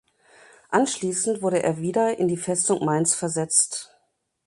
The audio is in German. Anschließend wurde er wieder in die Festung Mainz versetzt.